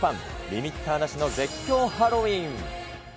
リミッターなしの絶叫ハロウィーン。